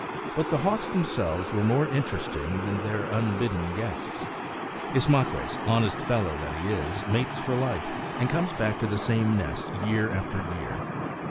But the hawks themselves were more interesting than their unbidden guests. Ismaques, honest fellow that he is, mates for life, and comes back to the same nest year after year.